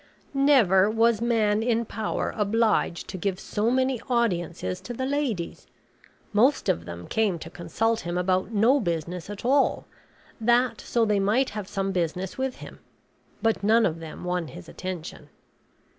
Never was man in power obliged to give so many audiences to the ladies. Most of them came to consult him about no business at all, that so they might have some business with him. But none of them won his attention.